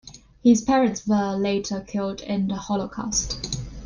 His parents were later killed in the Holocaust.